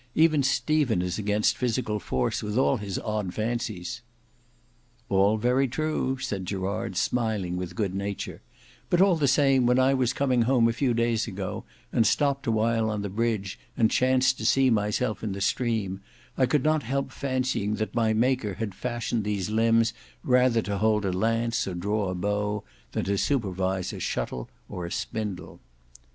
Even Stephen is against physical force, with all his odd fancies." "All very true," said Gerard smiling with good nature; "but all the same when I was coming home a few days ago, and stopped awhile on the bridge and chanced to see myself in the stream, I could not help fancying that my Maker had fashioned these limbs rather to hold a lance or draw a bow, than to supervise a shuttle or a spindle."